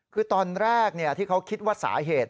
คือตอนแรกที่เขาคิดว่าสาเหตุ